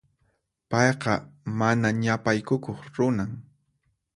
Payqa mana ñapaykukuq runan.